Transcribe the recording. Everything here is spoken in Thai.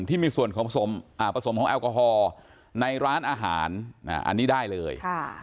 ที่มีส่วนของผสมของแอลกอฮอล์ในร้านอาหารอันนี้ได้เลย